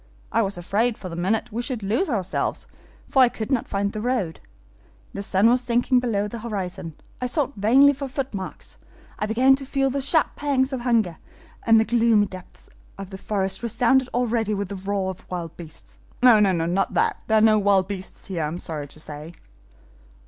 I was afraid, for the minute, we should lose ourselves, for I could not find the road. The sun was sinking below the horizon; I sought vainly for footmarks; I began to feel the sharp pangs of hunger, and the gloomy depths of the forest resounded already with the roar of wild beasts. No, not that; there are no wild beasts here, I am sorry to say."